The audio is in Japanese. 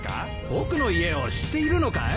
僕の家を知っているのかい？